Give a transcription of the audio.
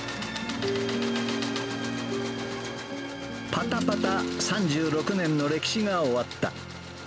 ぱたぱた３６年の歴史が終わった。